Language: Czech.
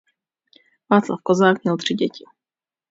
Václav Kozák měl tři děti.